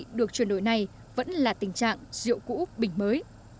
những vị được chuyển đổi này vẫn là tình trạng rượu cũ bình mới